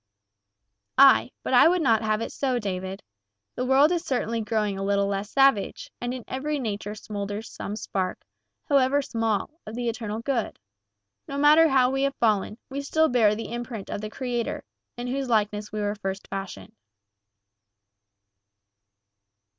"Aye, but I would not have it so, David. The world is certainly growing a little less savage, and in every nature smolders some spark, however small, of the eternal good. No matter how we have fallen, we still bear the imprint of the Creator, in whose likeness we were first fashioned."